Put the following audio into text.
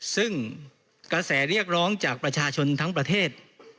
ซึ่งกระแสเรียกร้องจากประชาชนทั้งประเทศ